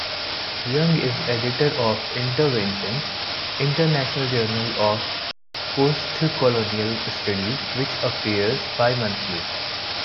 Young is Editor of "Interventions: International Journal of Postcolonial Studies" which appears bimonthly.